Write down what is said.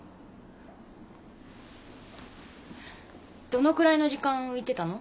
どのくらいの時間浮いてたの？